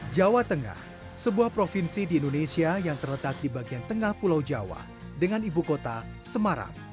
jawa tengah sebuah provinsi di indonesia yang terletak di bagian tengah pulau jawa dengan ibu kota semarang